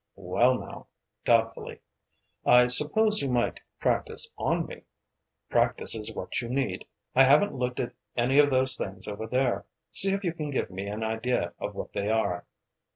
"Well now," doubtfully "I suppose you might practice on me. Practice is what you need. I haven't looked at any of those things over there. See if you can give me an idea of what they are."